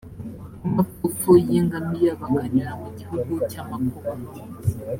ku mapfupfu y ingamiya bakanyura mu gihugu cy amakuba